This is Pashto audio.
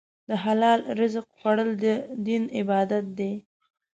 د حلال رزق خوړل د دین عبادت دی.